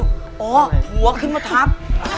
เฮ้อหัวขึ้นมาทับ